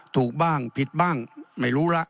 ถูกบ้างผิดบ้างไม่รู้ละ